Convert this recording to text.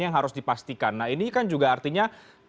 yang harus dipastikan nah ini kan juga artinya